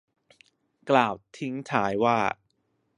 กล่าวทิ้งท้ายว่า